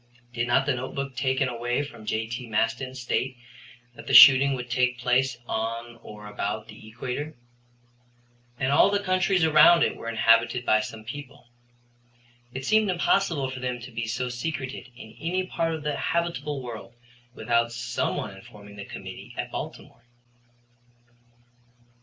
Did not the notebook taken away from J.T. Maston state that the shooting would take place on or about the equator? And all the countries around it were inhabited by some people. It seemed impossible for them to be so secreted in any part of the habitable world without some one informing the committee at Baltimore.